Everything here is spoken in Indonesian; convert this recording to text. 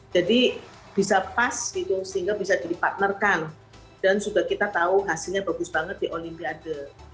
jadi bisa pas sehingga bisa dipartnerkan dan sudah kita tahu hasilnya bagus banget di olimpiade